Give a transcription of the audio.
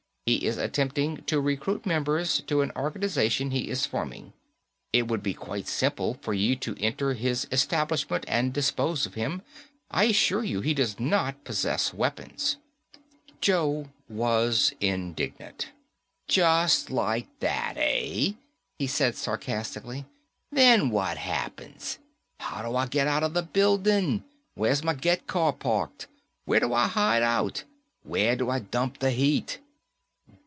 He is attempting to recruit members to an organization he is forming. It would be quite simple for you to enter his establishment and dispose of him. I assure you, he does not possess weapons." Joe was indignant. "Just like that, eh?" he said sarcastically. "Then what happens? How do I get out of the building? Where's my get car parked? Where do I hide out? Where do I dump the heat?"